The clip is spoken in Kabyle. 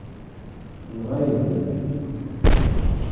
Tenɣa-yak-t.